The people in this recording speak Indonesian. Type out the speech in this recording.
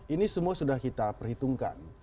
ini semua sudah kita perhitungkan